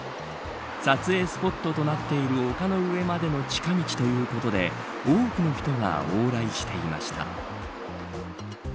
撮影スポットとなっている丘の上までの近道ということで多くの人が往来していました。